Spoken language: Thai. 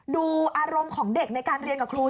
ดูอารมณ์ของเด็กในการเรียนกับครู